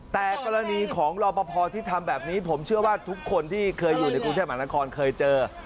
แต่กรณีของรอปภที่ทำแบบนี้ผมเชื่อว่าทุกคนที่เคยอยู่ในกรุงเทพมหานครเคยเจอ